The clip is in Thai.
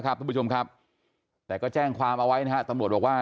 ทุกผู้ชมครับแต่ก็แจ้งความเอาไว้นะฮะตำรวจบอกว่า